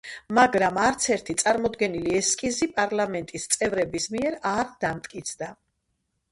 მაგრამ არცერთი წარმოდგენილი ესკიზი პარლამენტის წევრების მიერ არ დამტკიცდა.